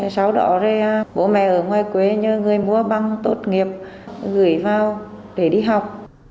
sau đó bố mẹ ở ngoài quê như người mua bằng tốt nghiệp gửi vào để đi học